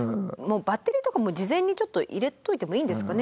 バッテリーとかも事前にちょっと入れておいてもいいんですかね。